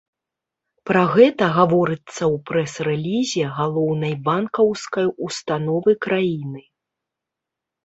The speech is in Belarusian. Пра гэта гаворыцца ў прэс-рэлізе галоўнай банкаўскай установы краіны.